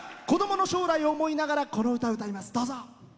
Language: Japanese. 子どもの将来を思いながらこの歌、歌います。